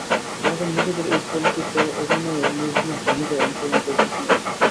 আমাদের নিজেদের এই কল্পিত অভিনয়ে নিজ নিজ ভূমিকায় অংশ গ্রহণ করিতেছি মাত্র।